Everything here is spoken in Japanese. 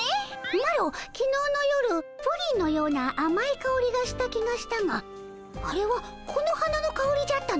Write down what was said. マロきのうの夜プリンのようなあまいかおりがした気がしたがあれはこの花のかおりじゃったのかの？